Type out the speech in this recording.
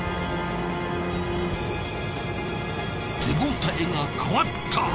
手応えが変わった。